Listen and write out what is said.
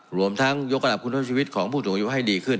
รวมทั้งยกระดับคุณทศชีวิตของผู้สูงอายุให้ดีขึ้น